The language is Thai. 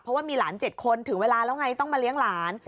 เพราะว่ามีหลาน๗คนถึงเวลาแล้วไงต้องมาเลี้ยงหลาน